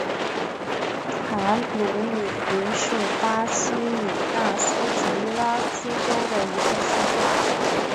塔鲁米林是巴西米纳斯吉拉斯州的一个市镇。